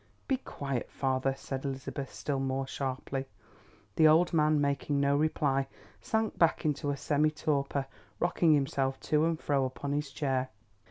"Be quiet, father!" said Elizabeth, still more sharply. The old man, making no reply, sank back into a semi torpor, rocking himself to and fro upon his chair.